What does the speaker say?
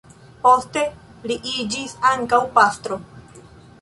Poste li iĝis ankaŭ pastro.